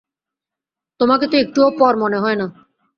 তোমাকে তো একটুও পর মনে হয় না।